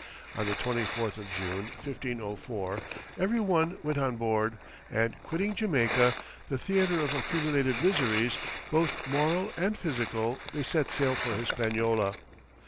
On the 24th of June, 1504, every one went on board, and quitting Jamaica, the theatre of accumulated miseries, both moral and physical, they set sail for Hispaniola.